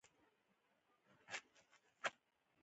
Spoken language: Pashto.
د ډيپلوماسي بنسټونه د اسدالله الفت کتاب دی.